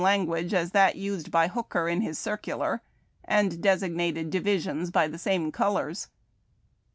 language as that used by Hooker in his circular, and desig nated divisions by the same colors.